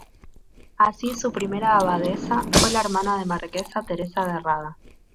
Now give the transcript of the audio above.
Así, su primera abadesa fue la hermana de Marquesa, Teresa de Rada.